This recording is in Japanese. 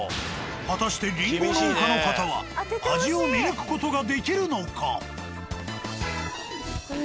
果たしてりんご農家の方は味を見抜く事ができるのか。